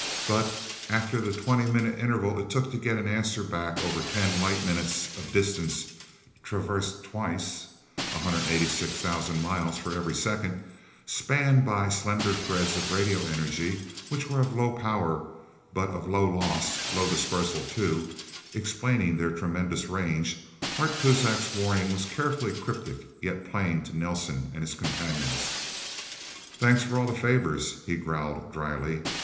But after the twenty minute interval it took to get an answer back over ten light minutes of distance traversed twice 186,000 miles for every second, spanned by slender threads of radio energy which were of low power but of low loss low dispersal, too, explaining their tremendous range Art Kuzak's warning was carefully cryptic, yet plain to Nelsen and his companions. "Thanks for all the favors," he growled dryly.